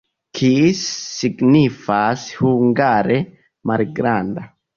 Kis signifas hungare malgranda.